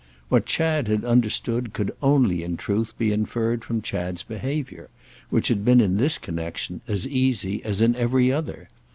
What Chad had understood could only, in truth, be inferred from Chad's behaviour, which had been in this connexion as easy as in every other.